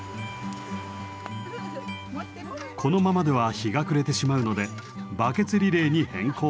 このままでは日が暮れてしまうのでバケツリレーに変更。